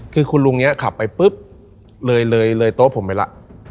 คือคุณลุงเนี่ยขับไปปุ๊บเลยเลยเลยโต๊ะผมไปละ